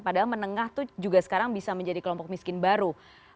padahal menengah itu juga sekarang bisa menjadi kelompok miskin baru